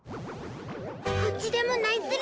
こっちでもないズラ。